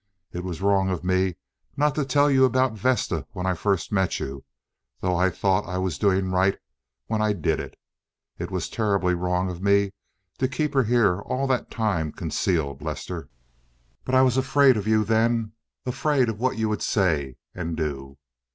It was wrong of me not to tell you about Vesta when I first met you, though I thought I was doing right when I did it. It was terribly wrong of me to keep her here all that time concealed, Lester, but I was afraid of you then—afraid of what you would say and do.